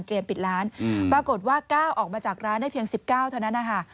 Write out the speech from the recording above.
เตรียมปิดร้านอืมปรากฏว่าก้าวออกมาจากร้านได้เพียงสิบเก้าเท่านั้นอ่ะค่ะ